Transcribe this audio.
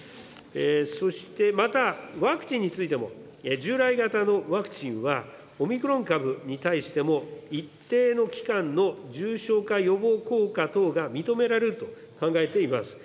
そしてまた、ワクチンについても従来型のワクチンは、オミクロン株に対しても、一定の期間の重症化予防効果等が認められると考えています。